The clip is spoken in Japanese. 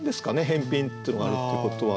返品ってのがあるってことはね。